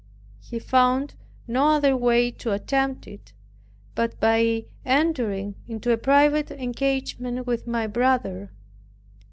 He found no other way to attempt it, but by entering into a private engagement with my brother.